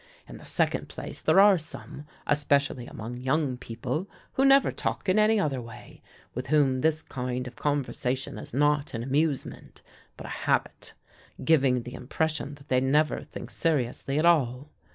In the second place, there are some, especially among young people, who never talk in any other way with whom this kind of conversation is not an amusement, but a habit giving the impression that they never think seriously at all.